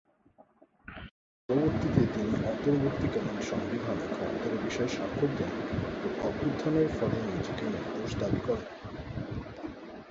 পরবর্তীতে তিনি অন্তর্বর্তীকালীন সংবিধানে ক্ষমতার বিষয়ে স্বাক্ষর দেন ও অভ্যুত্থানের ফলে নিজেকে নির্দোষ দাবী করেন।